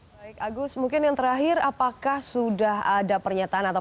baik agus mungkin yang terakhir apakah sudah ada pernyataan atau